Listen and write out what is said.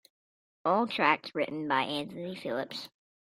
All tracks written by Anthony Phillips.